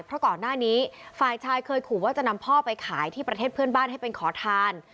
เพราะก่อนหน้านี้ฝ่ายชายเคยขู่ว่าจะนำพ่อไปขายที่ประเทศเพื่อนบ้านให้เป็นขอทาน